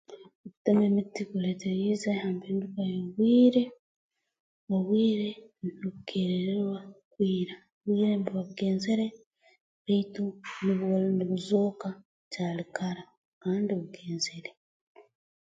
Okutema emiti kuleeteriize ha mpinduka y'obwire obwire nubukeererwa kwira obwire mbuba bugenzere baitu nubwol nubuzooka bukyali kara kandi bugenzere